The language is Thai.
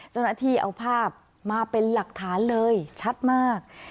เจ้าหน้าที่เอาภาพมาเป็นหลักฐานเลยชัดมาก